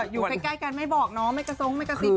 อยู่ใกล้กันไม่บอกเนาะไม่กระทรงไม่กระซิบ